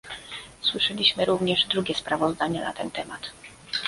słyszeliśmy również drugie sprawozdanie na ten temat